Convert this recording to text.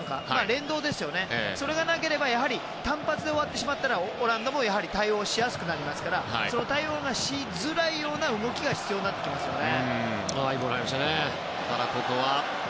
連動がなければ単発で終わってしまったらオランダもやはり対応しやすくなりますから対応がしづらいような動きが必要になってきますよね。